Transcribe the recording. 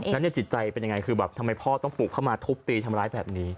แล้วจิตใจเป็นยังไงคือแบบทำไมพ่อต้องปลูกเข้ามาทุบตีทำร้ายแบบนี้